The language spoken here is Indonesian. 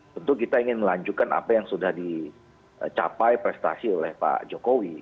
tentu kita ingin melanjutkan apa yang sudah dicapai prestasi oleh pak jokowi